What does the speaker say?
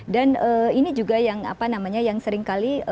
dan ini juga yang apa namanya yang seringkali